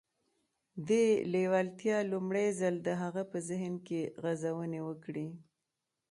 دې لېوالتیا لومړی ځل د هغه په ذهن کې غځونې وکړې.